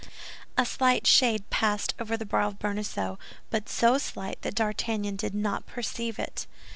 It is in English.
A slight shade passed over the brow of Bonacieux, but so slight that D'Artagnan did not perceive it.